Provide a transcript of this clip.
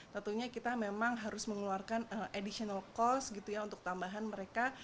tentunya kita memang harus mengeluarkan additional cost gitu ya untuk tambahan mereka